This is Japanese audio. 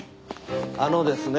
あのですね